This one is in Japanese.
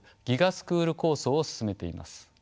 スクール構想を進めています。